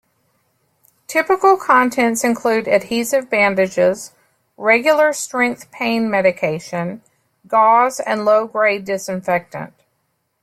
Typical contents include adhesive bandages, regular strength pain medication, gauze and low grade disinfectant.